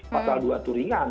pasal dua itu ringan